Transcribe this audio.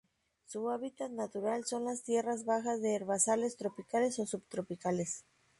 Su hábitat natural son las tierras bajas de herbazales tropicales o subtropicales.